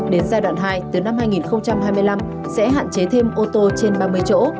đến giai đoạn hai từ năm hai nghìn hai mươi năm sẽ hạn chế thêm ô tô trên ba mươi chỗ